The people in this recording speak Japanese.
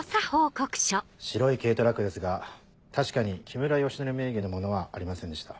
白い軽トラックですが確かに木村良徳名義のものはありませんでした。